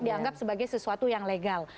dianggap sebagai sesuatu yang legal